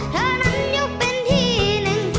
เธอนั้นยกเป็นที่หนึ่ง